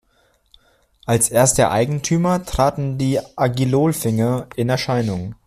Als erste Eigentümer traten die Agilolfinger in Erscheinung.